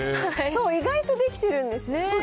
意外とできてるんですね。